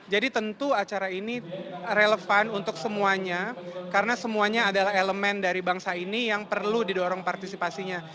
jadi tentu acara ini relevan untuk semuanya karena semuanya adalah elemen dari bangsa ini yang perlu didorong partisipasinya